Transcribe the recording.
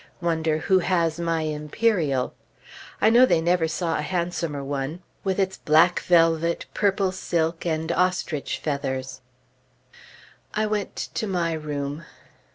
Wonder who has my imperial? I know they never saw a handsomer one, with its black velvet, purple silk, and ostrich feathers. I went to my room.